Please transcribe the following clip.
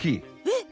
えっ！